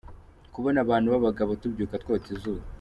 Kubona abantu b’abagabo tubyuka twota izuba!’.